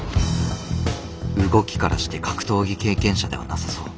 動きからして格闘技経験者ではなさそう。